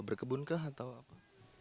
berkebun kah atau apa